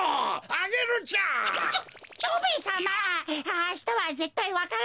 あしたはぜったいわか蘭。